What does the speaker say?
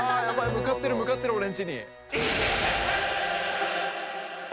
向かってる向かってる俺んちに。